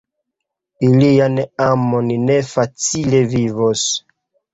Ilian amon ne facile vivos.